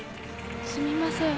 すみません。